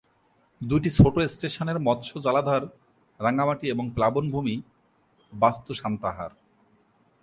দুইটি ছোট স্টেশনের মৎস্য জলাধার রাঙ্গামাটি এবং প্লাবনভূমি বাস্তু সান্তাহার।